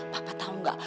pa pa tau gak